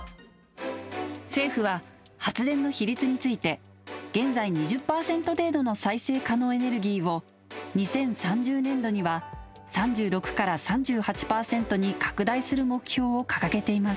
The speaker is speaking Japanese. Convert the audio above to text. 政府は発電の比率について現在２０％程度の再生可能エネルギーを２０３０年度には３６から３８％に拡大する目標を掲げています